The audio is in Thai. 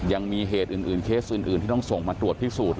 ยังมีเหตุอื่นเคสอื่นที่ต้องส่งมาตรวจพิสูจน์